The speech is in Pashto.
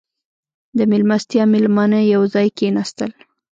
• د میلمستیا مېلمانه یو ځای کښېناستل.